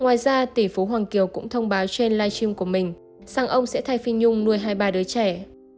ngoài ra tỷ phú hoàng kiều cũng thông báo trên live stream của mình xong ông sẽ thay phi nhung nuôi hai ba đứa trẻ